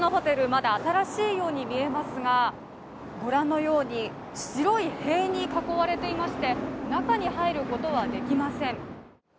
まだ新しいように見えますが、ご覧のように白い塀に囲われていまして、中に入ることはできません。